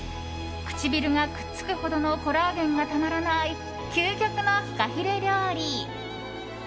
唇がくっつくほどのコラーゲンがたまらない究極のフカヒレ料理。